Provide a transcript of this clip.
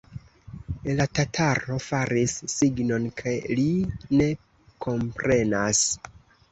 La tataro faris signon, ke li ne komprenas.